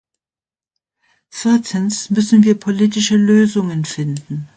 Viertens müssen wir politische Lösungen finden.